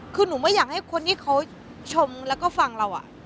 คือหนูไม่อยากให้คนที่เขาชมแล้วก็ฟังเรา